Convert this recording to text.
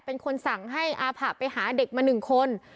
เป็นคนสั่งให้อภะไปหาเด็กมาหนึ่งคน